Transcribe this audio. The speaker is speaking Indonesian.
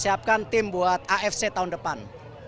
kita persiapkan tim buat afc tahun depan